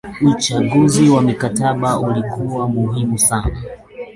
uchambuzi wa mkataba ulikuwa muhimu sana